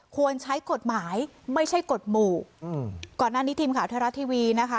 ควรใช้กฎหมายไม่ใช่กฎหมู่อืมก่อนหน้านี้ทีมข่าวไทยรัฐทีวีนะคะ